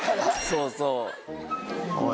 そうそう。